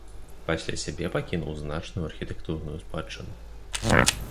Пасля сябе пакінуў значную архітэктурную спадчыну.